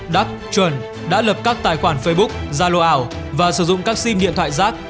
đắc chuẩn đã lập các tài khoản facebook ra lô ảo và sử dụng các sim điện thoại rác